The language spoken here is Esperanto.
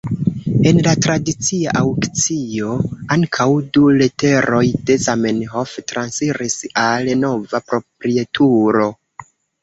En la tradicia aŭkcio ankaŭ du leteroj de Zamenhof transiris al nova proprietulo.